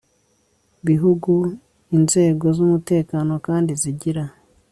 bihugu, inzego z'umutekano kandi zigira